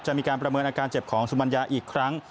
มีการประเมินอาการเจ็บของสุมัญญาอีกครั้ง